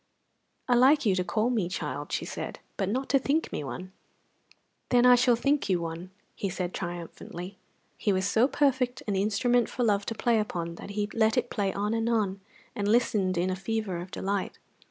"I like you to call me child," she said, "but not to think me one." "Then I shall think you one," said he, triumphantly. He was so perfect an instrument for love to play upon that he let it play on and on, and listened in a fever of delight.